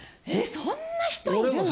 そんな人いるの。